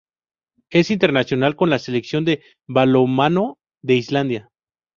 Es internacional con la selección de balonmano de Islandia.